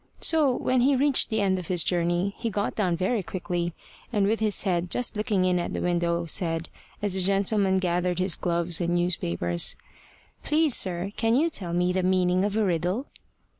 So, when he reached the end of his journey, he got down very quickly, and with his head just looking in at the window, said, as the gentleman gathered his gloves and newspapers: "Please, sir, can you tell me the meaning of a riddle?"